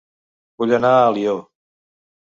Vull anar a Alió